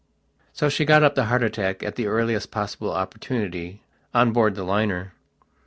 So she got up the heart attack, at the earliest possible opportunity, on board the liner.